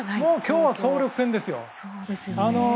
今日は総力戦ですね。